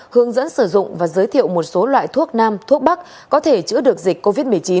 hướng dẫn sử dụng và giới thiệu một số loại thuốc nam thuốc bắc có thể chữa được dịch covid một mươi chín